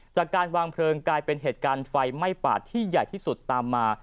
จากการวางเพลิงกลายเป็นเหตุการณ์ไฟไหม้ป่าที่ใหญ่ที่สุดตามมา